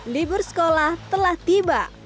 libur sekolah telah tiba